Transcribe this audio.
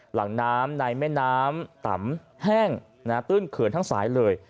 หลังน้ำในแม่น้ำต่ำแห้งตื้นเขื่อนทั้งสายเลย